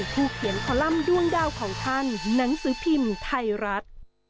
ผู้เขียนคอลัมป์ด้วงดาวของท่านหนังสือพิมพ์ไทยรัฐ